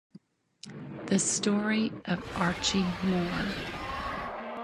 The Story of Archie Moore.